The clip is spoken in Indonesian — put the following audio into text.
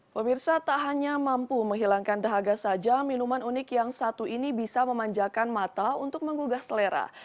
pemirsa tak hanya mampu menghilangkan dahaga saja minuman unik yang satu ini bisa memanjakan mata untuk menggugah selera